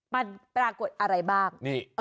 มันปรากฏอะไรบ้าง